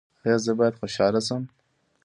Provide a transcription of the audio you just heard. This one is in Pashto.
ایا زه باید خوشحاله شم؟